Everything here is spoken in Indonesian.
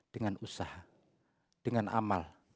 dengan usaha dengan amal